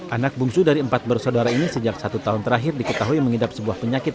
anak bungsu dari empat bersaudara ini sejak satu tahun terakhir diketahui mengidap sebuah penyakit